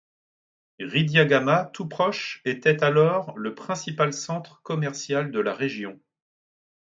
Ridiyagama, tout proche, était alors le principal centre commercial de la région.